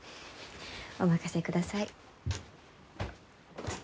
お任せください。